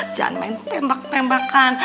jangan main tembak tembakan